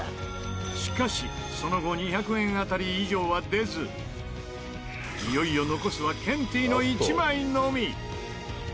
しかしその後２００円当たり以上は出ずいよいよ残すはケンティーの１枚のみ！